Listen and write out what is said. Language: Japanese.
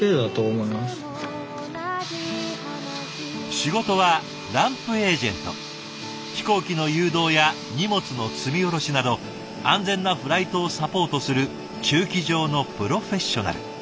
仕事は飛行機の誘導や荷物の積み下ろしなど安全なフライトをサポートする駐機場のプロフェッショナル。